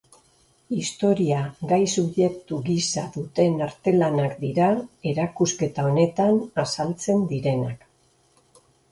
Historia gai-subjektu gisa duten artelanak dira erakusketa honetan azaltzen direnak.